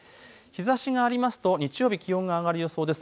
日ざしがありますと日曜日、気温が上がる予想です。